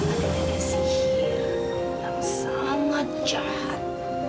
ada nenek sihir yang sangat jahat